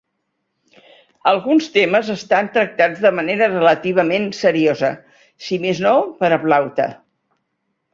Alguns temes estan tractats de manera relativament seriosa, si més no per a Plaute.